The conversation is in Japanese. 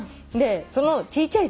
そのちいちゃい